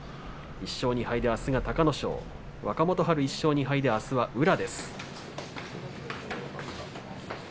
１勝２敗で、あすは隆の勝若元春１勝２敗であすは宇良です。